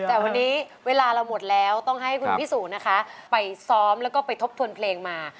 แต่วันนี้เวลาเราหมดแล้วต้องให้คุณพี่สู่นะคะไปซ้อมแล้วก็ไปทบทวนเพลงมา